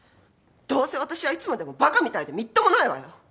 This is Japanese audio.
どうせ私はいつまでもバカみたいでみっともないわよ！